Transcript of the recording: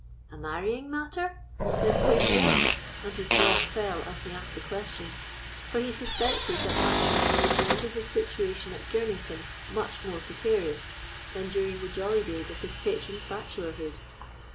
"A marrying matter?" said Craigengelt, and his jaw fell as he asked the question, for he suspected that matrimony would render his situation at Girnington much more precarious than during the jolly days of his patron's bachelorhood.